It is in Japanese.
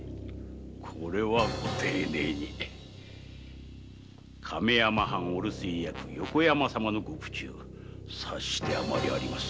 これはご丁寧に亀山藩御留守居役横山様のご苦衷察して余りあります。